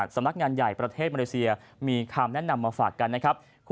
สำนักงานใหญ่ประเทศมาเลเซียมีคำแนะนำมาฝากกันนะครับ